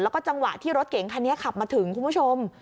แล้วก็จังหวะที่รถเก๋งคันนี้ขับมาถึงคุณผู้ชม